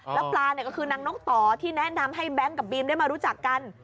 แล้วปลาเนี่ยก็คือนางนกต่อที่แนะนำให้แบงค์กับบีมได้มารู้จักกัน